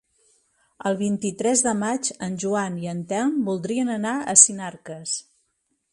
El vint-i-tres de maig en Joan i en Telm voldrien anar a Sinarques.